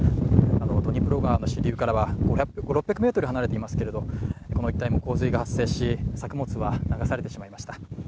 ドニプロ川の支流からは５００６００ｍ離れていますけれどもこの一帯も洪水が発生し、作物が流されてしまいました。